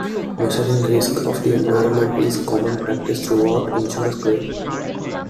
Measuring risks of the environment is common practice throughout insurance claims.